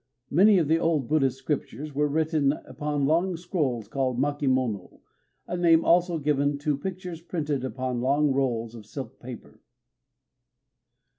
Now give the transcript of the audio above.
Many of the old Buddhist scriptures were written upon long scrolls, called makimono, a name also given to pictures printed upon long rolls of silk or paper.